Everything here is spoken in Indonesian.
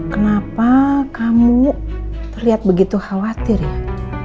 kenapa kamu terlihat begitu khawatir ya